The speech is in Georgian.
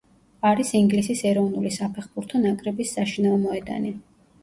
არის ინგლისის ეროვნული საფეხბურთო ნაკრების საშინაო მოედანი.